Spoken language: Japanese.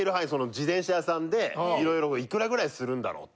自転車屋さんで色々いくらぐらいするんだろうって。